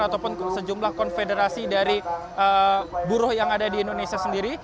ataupun sejumlah konfederasi dari buruh yang ada di indonesia sendiri